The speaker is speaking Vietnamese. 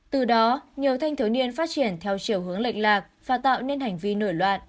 từ đó nhiều thanh thiếu niên phát triển theo chiều hướng lệch lạc và tạo nên hành vi nổi loạn